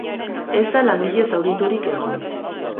Ez da langile zauriturik egon.